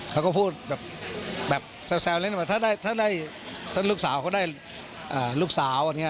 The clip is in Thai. เขาก็พูดแซวเหล่ะจากถ้าลูกสาวก็ได้ลูกสาว